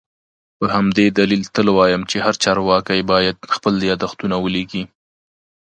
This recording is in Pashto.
په همدې دلیل تل وایم چي هر چارواکی باید خپل یادښتونه ولیکي